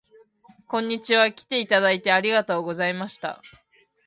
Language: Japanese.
こんにちは。きていただいてありがとうございました